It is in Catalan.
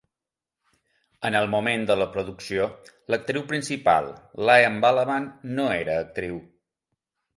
En el moment de la producció, l'actriu principal Liane Balaban no era actriu.